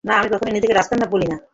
না, আমি কখনোই নিজেকে রাজকন্যা বলিনি।